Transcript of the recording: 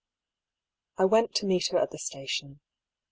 I went to meet her at the station.